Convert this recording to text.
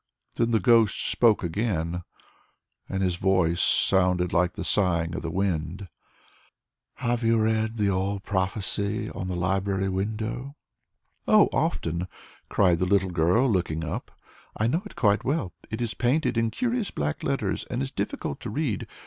Then the ghost spoke again, and his voice sounded like the sighing of the wind. "Have you ever read the old prophecy on the library window?" "Oh, often," cried the little girl, looking up; "I know it quite well. It is painted in curious black letters, and is difficult to read.